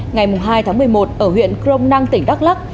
ngày hai tháng một mươi một ở huyện crom năng tỉnh đắk lắc